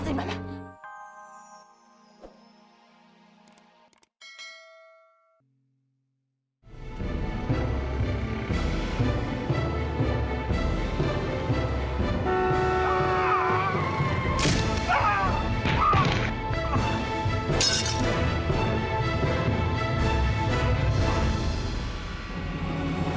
suami saya kecelakaan